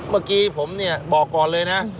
เมื่อกี้ผมเนี่ยบอกก่อนเลยนะ